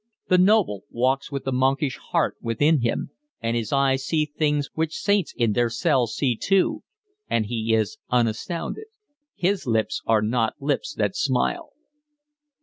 The noble walks with the monkish heart within him, and his eyes see things which saints in their cells see too, and he is unastounded. His lips are not lips that smile.